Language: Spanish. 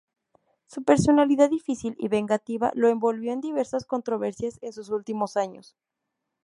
Su personalidad difícil y vengativa lo envolvió en diversas controversias en sus últimos años.